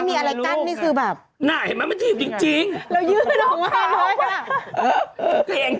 เห็นไหมมันจีบจริง